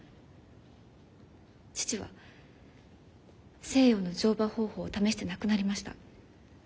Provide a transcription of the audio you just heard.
父は西洋の乗馬方法を試して亡くなりました。